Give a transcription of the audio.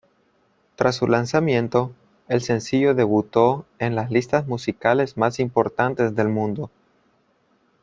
Tras su lanzamiento, el sencillo debutó en las listas musicales más importantes del mundo.